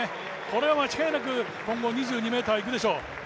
これは間違いなく今後２２ｍいくでしょう。